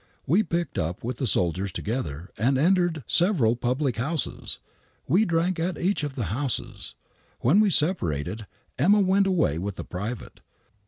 We picked up with the soldiers together and entered several public houses. We drank in each of the houses. When we separated, ' Emma ' went away with the private.